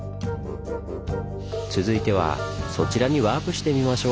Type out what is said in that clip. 続いてはそちらにワープしてみましょう！